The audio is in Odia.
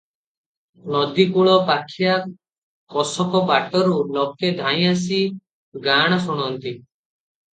ନଦୀକୂଳପାଖିଆ କୋଶକ ବାଟରୁ ଲୋକେ ଧାଇଁଆସି ଗାଆଣ ଶୁଣନ୍ତି ।